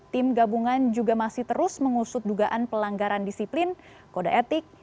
tim gabungan juga masih terus mengusut dugaan pelanggaran disiplin kode etik